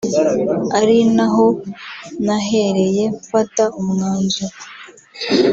ari naho nahereye mfata umwanzuro